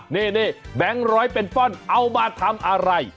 นี่แบงค์ร้อยเปนฟอนด์เอามาทำอะไร